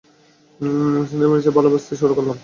সেন্তামিড়সেলভিকে ভালোবাসতে শুরু করলাম আমি।